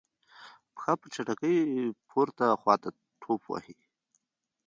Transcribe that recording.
پښه په چټکۍ پورته خواته ټوپ وهي.